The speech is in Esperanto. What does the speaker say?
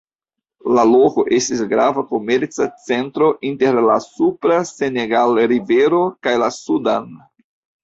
La loko estis grava komerca centro inter la supra Senegal-rivero kaj la Sudan.